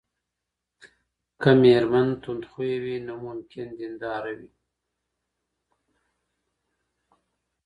که ميرمن تند خويه وي، نو ممکن دينداره وي